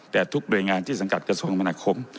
แต่ทุกหน่วยงานที่สังกัดกระทรวงคมนาคม